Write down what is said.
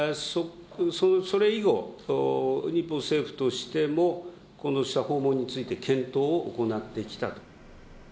それ以後、日本政府としてもこうした訪問について検討を行ってきたと。